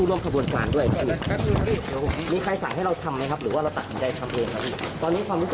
โอ้โห